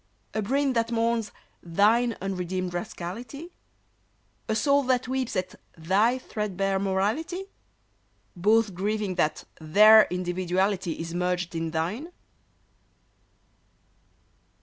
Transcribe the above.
A brain that mourns thine unredeemed rascality? A soul that weeps at thy threadbare morality? Both grieving that their individuality Is merged in thine?